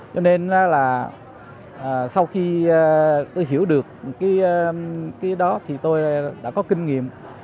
cho nên là sau khi tôi hiểu được cái đó thì tôi đã có kinh nghiệm